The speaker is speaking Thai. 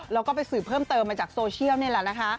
เราก็สืบเพิ่มเติมจากโซเชียลเลย